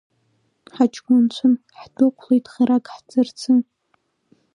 Ҳаҷкәынцәан, ҳдәықәлеит харак ҳцарцы.